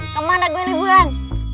kemana gue liburan